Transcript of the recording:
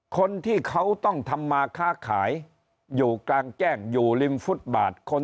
คนที่เขาต้องทำมาค้าขายอยู่กลางแจ้งอยู่ริมฟุตบาท